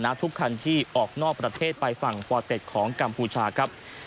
ทุกคันที่ออกนอกประเทศไปฝั่งปอเต็ดของกัมพูชาครับ